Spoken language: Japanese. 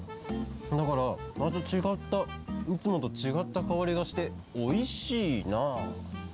だからまたちがったいつもとちがったかおりがしておいしいな。